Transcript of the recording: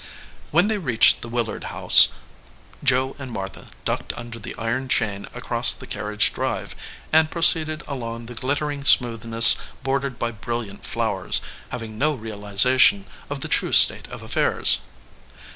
When they reached the Willard house Joe and Martha ducked under the iron chain across the carriage drive, and proceeded along the glittering smoothness bordered by brilliant flowers, having no realization of the true state of affairs.